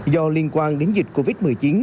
do liên quan đến dịch covid một mươi chín